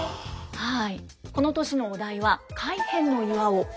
はい。